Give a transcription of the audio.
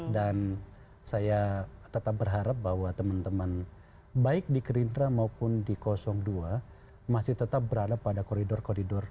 dan saya tetap berharap bahwa teman teman baik di kerintra maupun di kosong ii masih tetap berada pada koridor koridor